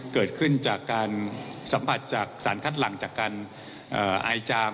เกิดขึ้นจากการสัมผัสจากสารคัดหลังจากการอายจาม